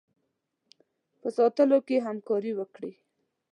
په ساتلو کې همکاري وکړي.